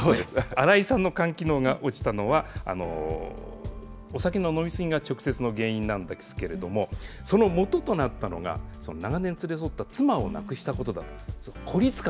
荒井さんの肝機能が落ちたのは、お酒の飲み過ぎが直接の原因なんですけれども、そのもととなったのが、長年連れ添った妻を亡くしたことだと、孤立感。